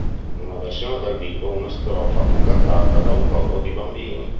In una versione dal vivo, una strofa fu cantata da un coro di bambini.